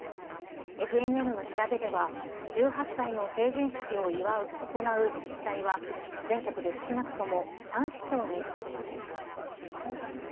ＦＮＮの調べでは、１８歳の成人式を行う自治体は、全国で少なくとも３市町にとどまっています。